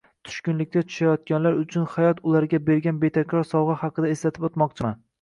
tushkunlikka tushayotganlar uchun hayot ularga bergan betakror sovg’a haqida eslatib o’tmoqchiman